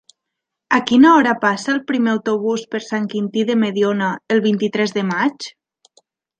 A quina hora passa el primer autobús per Sant Quintí de Mediona el vint-i-tres de maig?